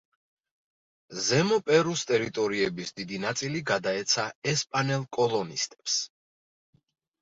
ზემო პერუს ტერიტორიების დიდი ნაწილი გადაეცა ესპანელ კოლონისტებს.